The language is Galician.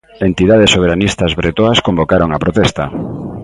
Entidades soberanistas bretoas convocaron a protesta.